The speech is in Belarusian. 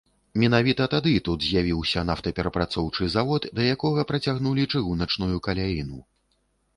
Менавіта тады тут з'явіўся нафтаперапрацоўчы завод, да якога працягнулі чыгуначную каляіну.